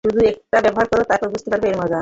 শুধু এটা ব্যবহার করো, তারপর বুঝবে এর ক্ষমতা!